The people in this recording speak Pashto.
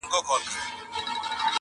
له غمونو اندېښنو کله خلاصېږو!.